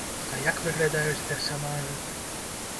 А як выглядаюць персанажы!